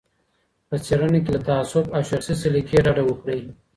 په څېړنه کي له تعصب او شخصي سلیقې ډډه وکړئ.